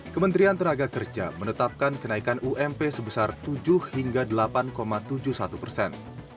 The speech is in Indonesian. kementerian tenaga kerja menetapkan kenaikan ump sebesar tujuh hingga delapan tujuh puluh satu persen